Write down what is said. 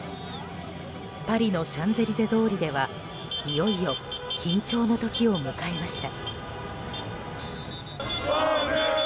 パリのシャンゼリゼ通りではいよいよ緊張の時を迎えました。